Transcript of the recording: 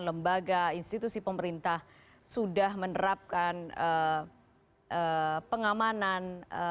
lembaga institusi pemerintah sudah menerapkan pengamanan